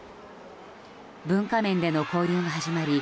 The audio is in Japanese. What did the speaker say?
文化面での交流が始まり